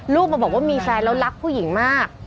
มาบอกว่ามีแฟนแล้วรักผู้หญิงมาก